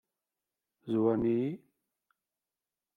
Zwaren-iyi?